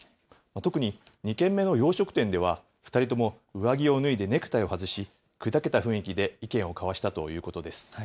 特に２軒目の洋食店では、２人とも上着を脱いでネクタイを外し、くだけた雰囲気で意見を交わしたということです。